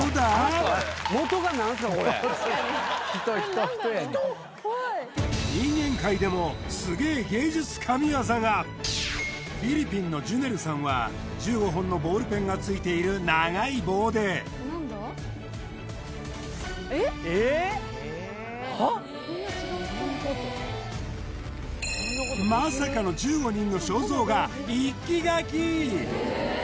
これ人人人やねん・人？人間界でもすげえ芸術神業がフィリピンのジュネルさんは１５本のボールペンがついている長い棒でまさかの一気描き！